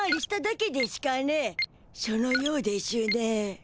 そのようでしゅね。